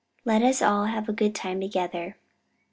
Let us all have a good time together."